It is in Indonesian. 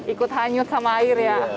ikut hanyut sama air ya